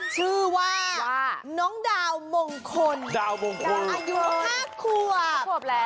ชื่อว่าน้องดาวมงคลยังอายุ๕ขวบ